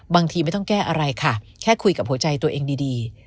บางทีไม่ต้องแก้อะไรค่ะแค่คุยกับหัวใจตัวเองดี